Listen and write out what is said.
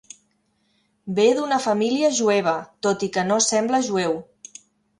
Ve d'una família jueva, tot i que no sembla jueu.